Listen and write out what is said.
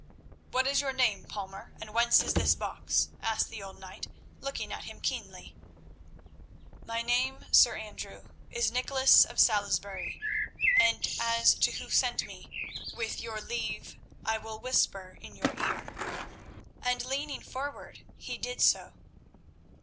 "What is your name, palmer, and whence is this box?" asked the old knight, looking at him keenly. "My name, Sir Andrew, is Nicholas of Salisbury, and as to who sent me, with your leave I will whisper in your ear." And, leaning forward, he did so.